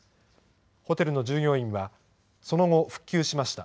ホテルの従業員は、その後、復旧しました。